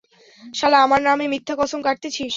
শালা, আমার নামে মিথ্যা কসম কাটতেছিস?